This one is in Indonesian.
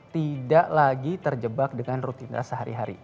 tidak lagi terjebak dengan rutinitas sehari hari